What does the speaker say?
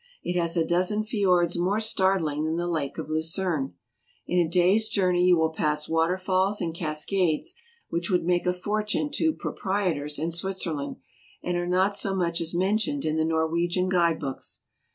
It has a dozen fjords more startling than the Lake of Lucerne ; in a day's journey you will pass waterfalls and cascades which would make a fortune to "proprietors " in Switzerland, and are not so much as mentioned in the Norwegian guide books.